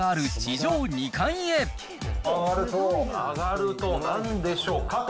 上がると、なんでしょうかと。